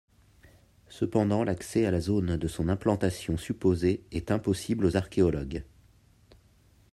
Cependant l'accès à la zone de son implantation supposée est impossible aux archéologues.